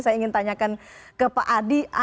saya ingin tanyakan ke pak adi